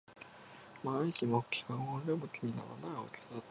毎日持ち運んでも気にならない大きさだったから僕はずっと持ち歩いていた